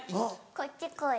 こっち来い。